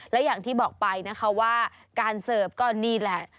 และอย่างที่บอกไปนะคะว่าการเสิร์ฟก็นี่แหละ